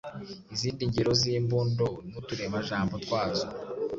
Izindi ngero z’imbundo n’uturemajambo twazo: